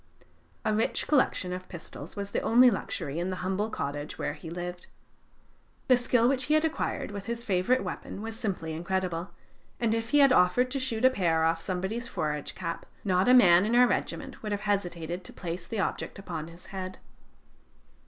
A rich collection of pistols was the only luxury in the humble cottage where he lived. The skill which he had acquired with his favorite weapon was simply incredible: and if he had offered to shoot a pear off somebody's forage cap, not a man in our regiment would have hesitated to place the object upon his head.